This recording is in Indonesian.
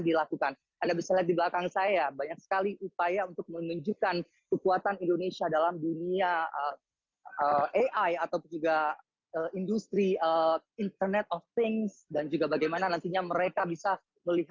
dilakukan saya banyak sekali upaya untuk memujukan kekuatan indonesia dalam dunia atau juga industri